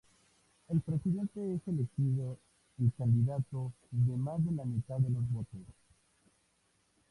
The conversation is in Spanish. El presidente es elegido el candidato de más de la mitad de los votos.